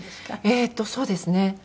えーっとそうですねはい。